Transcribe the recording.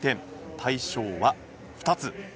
対象は２つ。